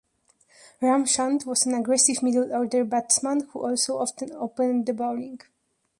Ramchand was an aggressive middle-order batsman who also often opened the bowling.